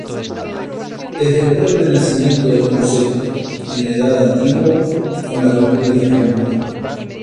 Desde el propio nacimiento del concepto en la Edad Antigua, con la República romana.